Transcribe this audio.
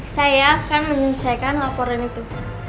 saya akan menyelesaikan laporan itu